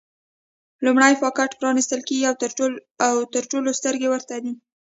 لومړی پاکټ پرانېستل کېږي او د ټولو سترګې ورته دي.